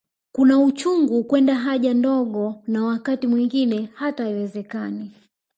Kuna uchungu kwenda haja ndogo na wakati mwingine hata haiwezekani